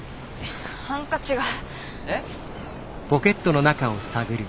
ハンカチが。えっ？